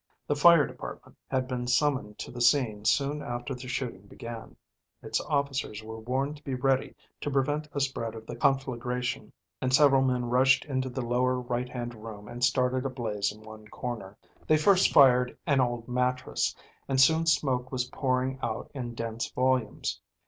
The fire department had been summoned to the scene soon after the shooting began; its officers were warned to be ready to prevent a spread of the conflagration, and several men rushed into the lower right hand room and started a blaze in one corner. They first fired an old mattress, and soon smoke was pouring out in dense volumes.